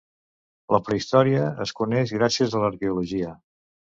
La prehistòria es coneix gràcies a l'arqueologia.